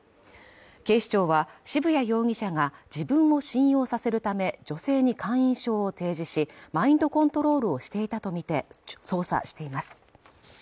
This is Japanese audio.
警視庁は渋谷容疑者が自分を信用させるため女性に会員証を提示しマインドコントロールをしていたとみて捜査しています